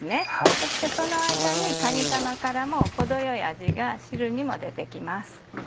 そしてその間にかにかまからも程よい味が汁にも出て来ます。